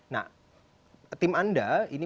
nah tim anda ini